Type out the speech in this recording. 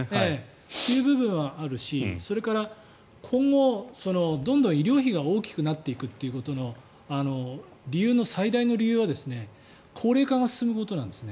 そういう部分はあるしそれから今後、どんどん医療費が大きくなっていくということの理由の最大の理由は高齢化が進むことなんです。